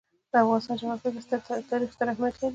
د افغانستان جغرافیه کې تاریخ ستر اهمیت لري.